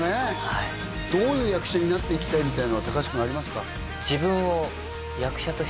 はいどういう役者になっていきたいみたいなのは高橋君ありますか？